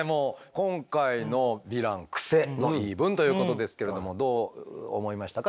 今回のヴィランクセの言い分ということですけれどもどう思いましたか？